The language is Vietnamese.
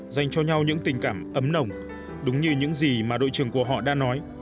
dành cho nhau những tình cảm ấm nồng đúng như những gì mà đội trường của họ đã nói